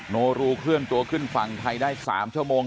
โนรูเคลื่อนตัวขึ้นฝั่งไทยได้๓ชั่วโมง